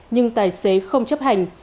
nhưng tài xế không chấp hành